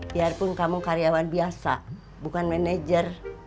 biarpun kamu karyawan biasa bukan manajer